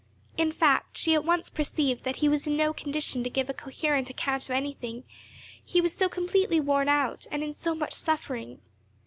In fact, she at once perceived that he was in no condition to give a coherent account of anything, he was so completely worn out, and in so much suffering.